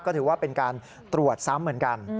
ก็ถือว่าเป็นการตรวจซ้ำเหมือนกัน